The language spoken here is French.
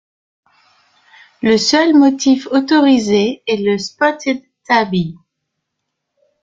Le seul motif autorisé est le spotted tabby.